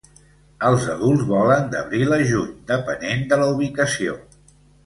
Els adults volen d'abril a juny, depenent de la ubicació.